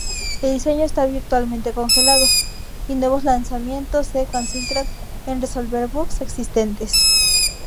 El diseño está virtualmente congelado, y nuevos lanzamientos se concentran en resolver bugs existentes.